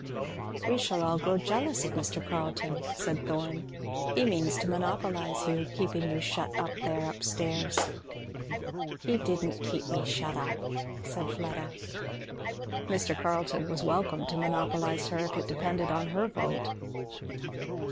"We shall all grow jealous of Mr. Carleton," said Thorn "He means to monopolize you, keeping you shut up there up stairs." "He didn't keep me shut up," said Fleda. Mr. Carleton was welcome to monopolize her, if it depended on her vote.